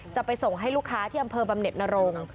จะไปส่งให้ลูกค้าที่อำเภอบำเน็ตนรงค์